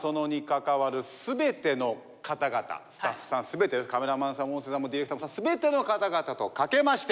スタッフさん全てカメラマンさんも音声さんもディレクターさんも全ての方々と掛けまして。